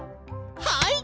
はい！